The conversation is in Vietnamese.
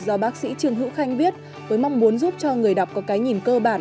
do bác sĩ trương hữu khanh viết với mong muốn giúp cho người đọc có cái nhìn cơ bản